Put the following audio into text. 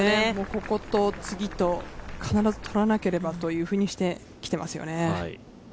ここと次と必ずとらなければというふうにしてきてますよね。